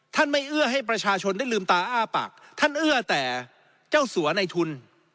ท่านไม่เอื้อให้ประชาชนได้ลืมตาอ้าปากท่านเอื้อแต่เจ้าสัวในทุน